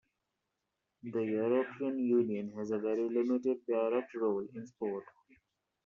The European Union has a very limited direct role in sport.